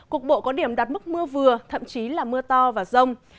cục bộ có điểm đặt mức mưa vừa thậm chí là mưa to và rông